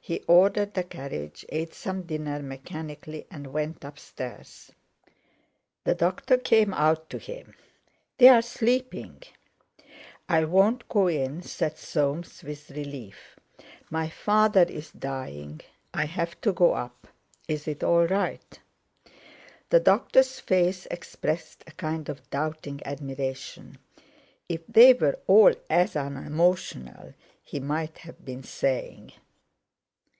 He ordered the carriage, ate some dinner mechanically, and went upstairs. The doctor came out to him. "They're sleeping." "I won't go in," said Soames with relief. "My father's dying; I have to—go up. Is it all right?" The doctor's face expressed a kind of doubting admiration. "If they were all as unemotional" he might have been saying.